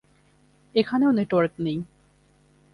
এখানেও নেটওয়ার্ক নেই।